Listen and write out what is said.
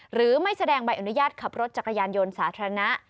หรือไม่แสดงใบอนุญาตขับรถจักรยานยนต์สาธารณะ